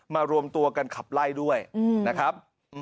รวมตัวกันขับไล่ด้วยนะครับ